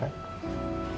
apa kangen lu semua